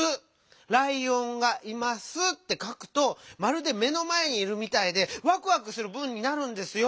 ライオンが「います」ってかくとまるで目のまえにいるみたいでワクワクする文になるんですよ。